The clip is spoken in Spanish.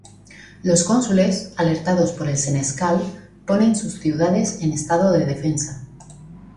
Los cónsules, alertados por el Senescal, ponen sus ciudades en estado de defensa.